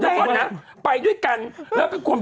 จักรยันตร์น่ะไปยัดใส่มือท่านเลย